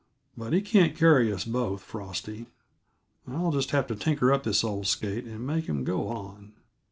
"But he can't carry us both, Frosty; I'll just have to tinker up this old skate, and make him go on."